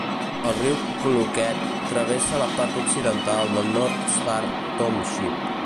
El riu Cloquet travessa la part occidental de North Star Township.